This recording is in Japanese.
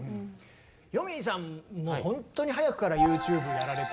よみぃさんもほんとに早くからＹｏｕＴｕｂｅやられていて。